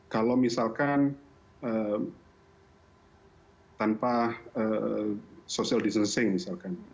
kalau misalkan tanpa social distancing misalkan